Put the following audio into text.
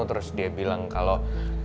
terus dia bilang kalau